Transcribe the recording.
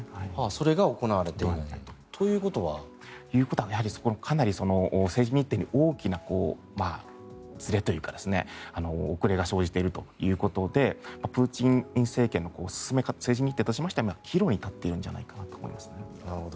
それが行われていないということは。ということはかなり政治日程に遅れが生じているということでプーチン政権の政治日程としては岐路に立っているんじゃないかなと思いますね。